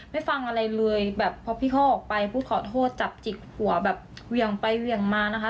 ฟังอะไรเลยแบบพอพี่เขาออกไปปุ๊บขอโทษจับจิกหัวแบบเหวี่ยงไปเหวี่ยงมานะคะ